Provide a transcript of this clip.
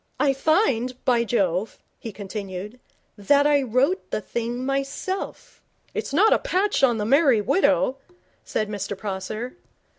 'I find, by Jove,' he continued, 'that I wrote the thing myself.' 'It's not a patch on The Merry Widow,' said Mr Prosser.